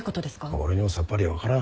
俺にもさっぱりわからん。